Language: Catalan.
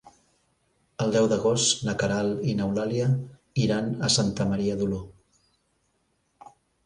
El deu d'agost na Queralt i n'Eulàlia iran a Santa Maria d'Oló.